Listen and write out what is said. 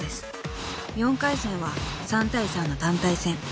［４回戦は３対３の団体戦］